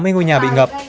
tám mươi ngôi nhà bị ngập